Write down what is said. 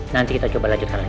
nanti kita coba lanjutkan lagi